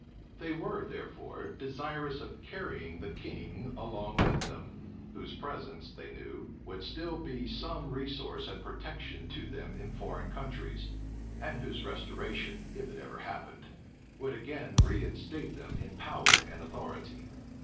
They were, therefore, desirous of carrying the king along with them, whose presence, they knew, would still be some resource and protection to them in foreign countries, and whose restoration, if it ever happened, would again reinstate them in power and authority.